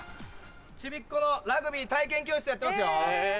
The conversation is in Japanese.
・ちびっ子のラグビー体験教室やってますよ。